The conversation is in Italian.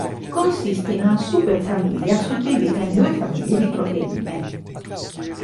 Consiste in una superfamiglia suddivisa in due famiglie di proteine.